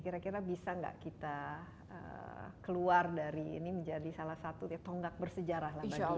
kira kira bisa nggak kita keluar dari ini menjadi salah satu ya tonggak bersejarah lah bagi